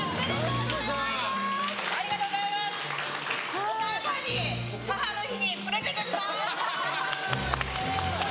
お母さんに母の日にプレゼントします！